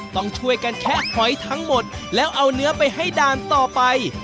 ต้องช่วยกันแคะหอยทั้งหมดแล้วเอาเนื้อไปให้ด่านต่อไป